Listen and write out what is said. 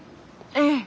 ええ。